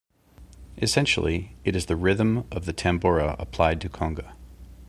Essentially, it is the rhythm of the tambora applied to conga.